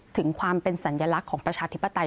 ถึงความเป็นสัญลักษณ์ของประชาธิปไตย